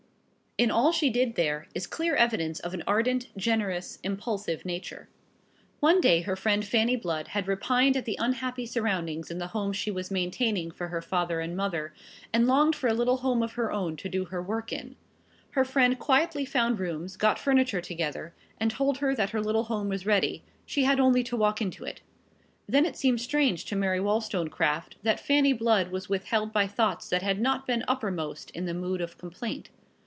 In all she did there is clear evidence of an ardent, generous, impulsive nature. One day her friend Fanny Blood had repined at the unhappy surroundings in the home she was maintaining for her father and mother, and longed for a little home of her own to do her work in. Her friend quietly found rooms, got furniture together, and told her that her little home was ready; she had only to walk into it. Then it seemed strange to Mary Wollstonecraft that Fanny Blood was withheld by thoughts that had not been uppermost in the mood of complaint.